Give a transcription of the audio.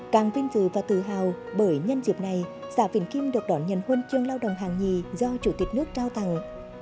càng vinh dự và tự hào bởi nhân dịp này xã vĩnh kim được đón nhận huân chương lao động hàng nhì do chủ tịch nước trao tặng